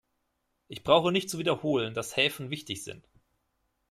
Ich brauche nicht zu wiederholen, dass Häfen wichtig sind.